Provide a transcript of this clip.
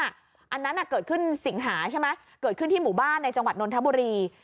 อันนั้นเกิดขึ้นเพื่อนสิงหาที่หมู่บ้านในจังหวัดนทบุรี